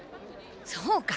そうか。